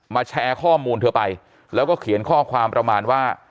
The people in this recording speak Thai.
แชร์ข้อมูลเธอไปแล้วก็เขียนข้อความประมาณว่า